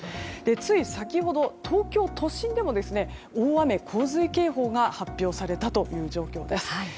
つい先ほど、東京都心でも大雨・洪水警報が発表されたという状況です。